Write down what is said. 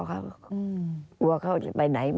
อันดับ๖๓๕จัดใช้วิจิตร